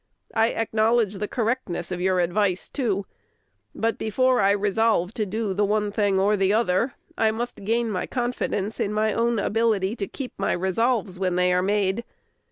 I acknowledge the correctness of your advice too; but, before I resolve to do the one thing or the other, I must gain my confidence in my own ability to keep my resolves when they are made.